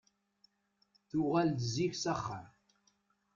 Tuɣal-d zik s axxam.